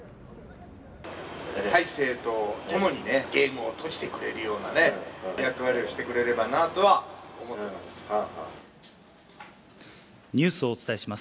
大勢とともにね、ゲームを閉じてくれるようなね、役割をしてくれればなとは思ってます。